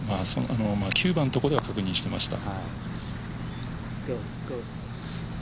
９番のところでは確認していました。